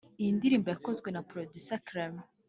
Iyi ndirimbo yakozwe na Producer Clement